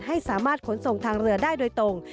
ให้สามารถขนส่งทางเรือได้โดยตรง